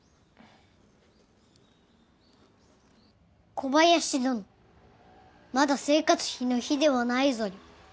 小林どのまだ生活費の日ではないぞよ。